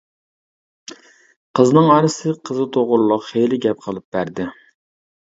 قىزنىڭ ئانىسى قىزى توغرۇلۇق خىلى گەپ قىلىپ بەردى.